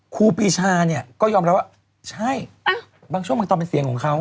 ครูปีชาเนี่ยก็ยอมรับว่าใช่บางช่วงบางตอนเป็นเสียงของเขา